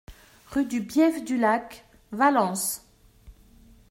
Rue Du Bief Du Lac, Vallans